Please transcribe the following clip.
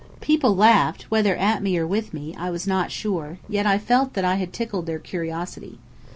People laughed, whether at me, or with me, I was not sure; yet I felt that I had tickled their curiosity.